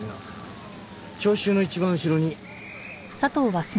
聴衆の一番後ろに。